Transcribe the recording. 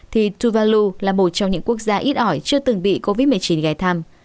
thì tuvalu là một trong những quốc gia ít ỏi chưa từng bị covid một mươi chín gai thăm